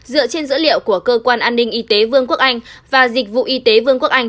dựa trên dữ liệu của cơ quan an ninh y tế vương quốc anh và dịch vụ y tế vương quốc anh